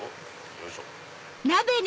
よいしょ。